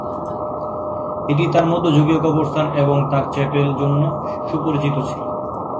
এটি তার মধ্যযুগীয় কবরস্থান এবং তার চ্যাপেল জন্য সুপরিচিত ছিল।